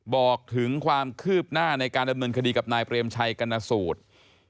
บอกถึงความคืบหน้าในการดำเนินคดีกับนายเปรมชัยกรณสูตร